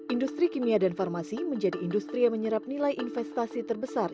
industri kimia dan farmasi menjadi industri yang menyerap nilai investasi terbesar